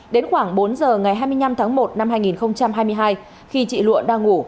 đến khoảng bốn giờ ngày hai mươi năm tháng một năm hai nghìn hai mươi hai khi chị lụa đang ngủ